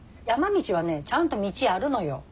山道はねちゃんと道あるのよ。